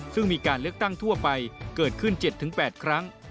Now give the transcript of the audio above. ซึ่งมีการเลือกตั้งทั่วไปเกิดขึ้น๗๘ครั้ง